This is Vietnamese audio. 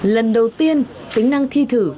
lần đầu tiên tính năng thi thử